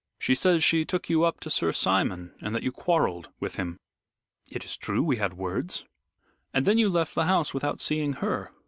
She says she took you up to Sir Simon, and that you quarrelled with him." "It is true, we had words." "And then you left the house without seeing her.